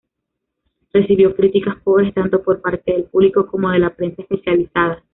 Recibió críticas pobres tanto por parte del público como de la prensa especializada.